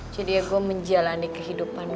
jadi ya gue menjalani kehidupan